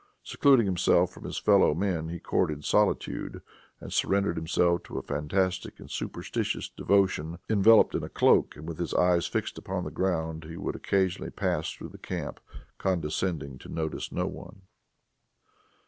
Secluding himself from his fellow men he courted solitude, and surrendered himself to a fantastic and superstitious devotion. Enveloped in a cloak, and with his eyes fixed upon the ground, he would occasionally pass through the camp, condescending to notice no one.